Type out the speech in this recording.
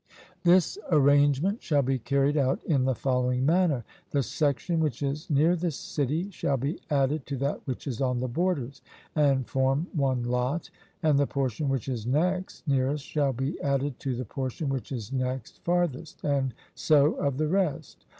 This arrangement shall be carried out in the following manner: The section which is near the city shall be added to that which is on the borders, and form one lot, and the portion which is next nearest shall be added to the portion which is next farthest; and so of the rest.